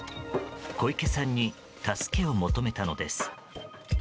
小池さんに助けを求めたのです。